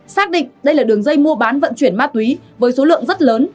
xác định đây là đường dây mua bán vận chuyển ma túy với số lượng rất lớn